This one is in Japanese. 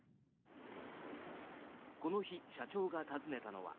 この日、社長が訪ねたのは。